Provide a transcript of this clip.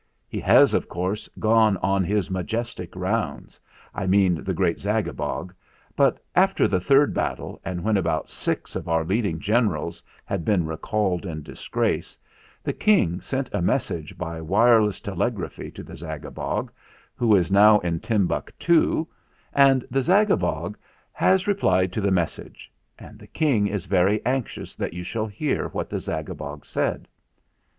He has, of course, gone on his majestic rounds I mean the great Zagabog but, after the third battle, and when about six of our leading generals had been recalled in disgrace, the King sent a message by wireless telegraphy to the Zagabog, who is now in Timbuctoo, and the Zagabog has re 186 THE FLINT HEART plied to the message; and the King is very anxious that you shall hear what the Zagabog said."